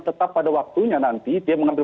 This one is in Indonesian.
tetap pada waktunya nanti dia mengambil